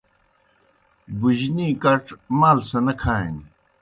بُجنی کڇ مال سہ نہ کھانیْ۔